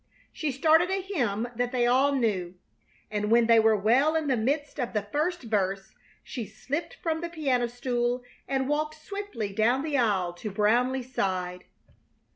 She started a hymn that they all knew, and when they were well in the midst of the first verse she slipped from the piano stool and walked swiftly down the aisle to Brownleigh's side.